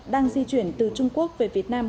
đang di chuyển từ trung quốc về việt nam